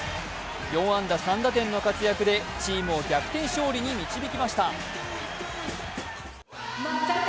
４安打３打点の活躍でチームを逆転勝利に導きました。